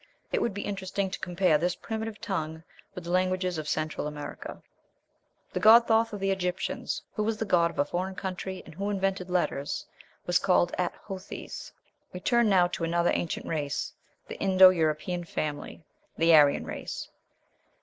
It would be interesting to compare this primitive tongue with the languages of Central America. The god Thoth of the Egyptians, who was the god of a foreign country, and who invented letters, was called At hothes. We turn now to another ancient race, the Indo European family the Aryan race.